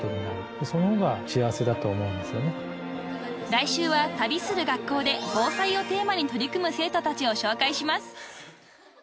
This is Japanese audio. ［来週は旅する学校で防災をテーマに取り組む生徒たちを紹介します］